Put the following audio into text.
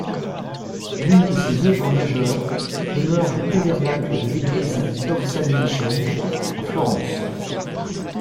L'une de ses œuvres majeures demeure le tabernacle de l'église d'Orsanmichele à Florence.